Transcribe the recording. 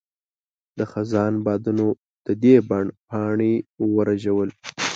د خزان بادونو د دې بڼ پاڼې ورژول.